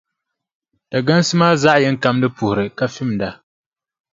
Dagansi maa zaɣʼ yini ka di puhiri ka fimda.